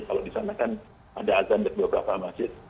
kalau di sana kan ada azan dari beberapa masjid